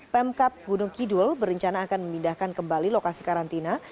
pemkap gunung kidul berencana akan memindahkan kembali lokasi karantina